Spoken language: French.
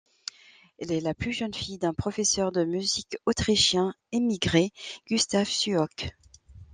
Elle est la plus jeune fille d'un professeur de musique, autrichien émigré, Gustav Suok.